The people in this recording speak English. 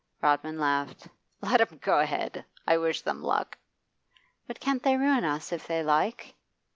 Rodman laughed. 'Let 'em go ahead! I wish them luck.' 'But can't they ruin us if they like?